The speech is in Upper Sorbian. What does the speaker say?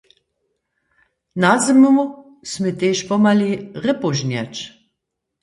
Nazymu smy tež pomhali, rěpu žnjeć.